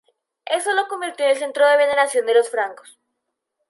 Eso lo convirtió en el centro de veneración de los francos.